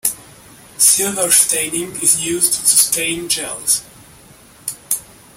Silver staining is used to stain gels.